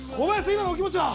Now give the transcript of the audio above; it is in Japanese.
今のお気持ちは？